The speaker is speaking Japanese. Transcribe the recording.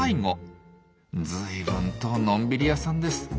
ずいぶんとのんびり屋さんです。